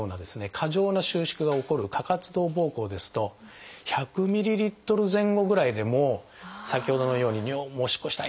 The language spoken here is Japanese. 過剰な収縮が起こる過活動ぼうこうですと１００ｍＬ前後ぐらいでもう先ほどのようにもうおしっこしたい！